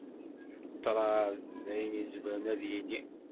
Ṭṭraḍ d ayen izemren ad d-yili.